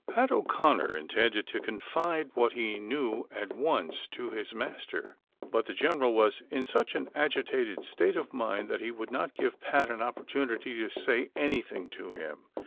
Pat O 'Conner intended to confide what he knew at once to his master ; but the general was in such an agitated state of mind that he would not give Pat an opportunity to say anything to him.